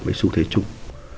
với xu thế chung